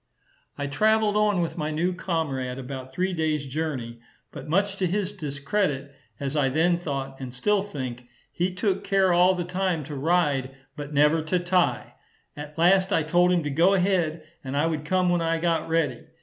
I traveled on with my new comrade about three days' journey; but much to his discredit, as I then thought, and still think, he took care all the time to ride, but never to tie; at last I told him to go ahead, and I would come when I got ready.